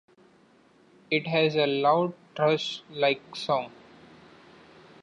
It has a loud thrush-like song.